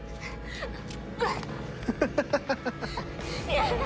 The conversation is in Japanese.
やだ！